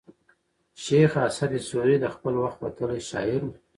شېخ اسعد سوري د خپل وخت وتلى شاعر وو.